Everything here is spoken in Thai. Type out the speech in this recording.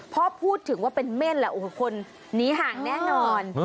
เพราะพูดถึงว่าเป็นแม่นคนหนีห่างแน่นอน